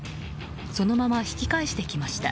そのまま引き返してきました。